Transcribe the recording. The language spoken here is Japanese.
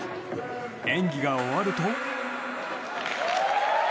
演技が終わると。